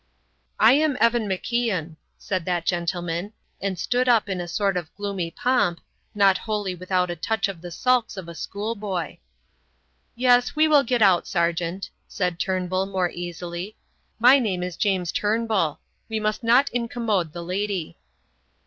"I am Evan MacIan," said that gentleman, and stood up in a sort of gloomy pomp, not wholly without a touch of the sulks of a schoolboy. "Yes, we will get out, sergeant," said Turnbull, more easily; "my name is James Turnbull. We must not incommode the lady."